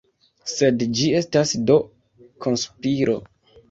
Sed ĝi estas do konspiro!